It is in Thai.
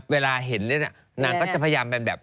เวลาเห็นเนี่ยนางก็จะพยายามแบบ